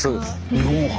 日本初。